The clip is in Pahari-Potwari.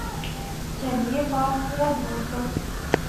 چہلیے، پار کیہڑا دور دا